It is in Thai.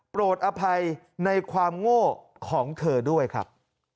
อภัยในความโง่ของเธอด้วยครับ